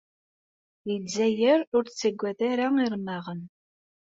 Lezzayer ur tettaggad ara iremmaɣen.